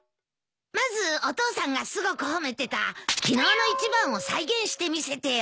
まずお父さんがすごく褒めてた昨日の一番を再現して見せてよ。